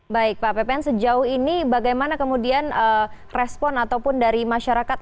baik pak pepen sejauh ini bagaimana kemudian respon ataupun dari masyarakat